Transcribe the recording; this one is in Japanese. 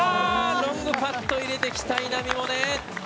ロングパット入れてきた稲見萌寧。